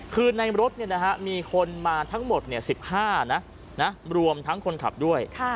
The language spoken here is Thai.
คือในรถมีคนมาทั้งหมด๑๕นะรวมทั้งคนขับด้วย